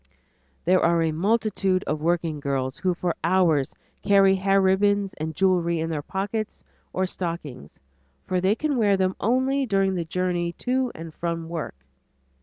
There are a multitude of working girls who for hours carry hair ribbons and jewelry in their pockets or stockings, for they can wear them only during the journey to and from work.